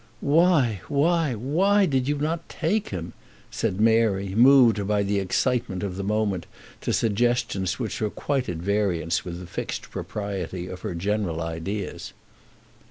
"Why, why, why did you not take him?" said Mary, moved by the excitement of the moment to suggestions which were quite at variance with the fixed propriety of her general ideas.